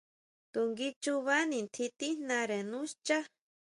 To ngui chuba nitjín tíjnare nú xchá.